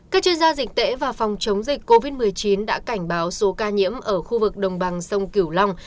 các chuyên gia dịch tễ và phòng chống dịch covid một mươi chín đã cảnh báo số ca nhiễm ở khu vực đồng bằng sông kiểu long